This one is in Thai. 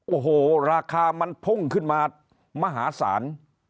โอ้โหราคามันพุ่งขึ้นมามหาศาล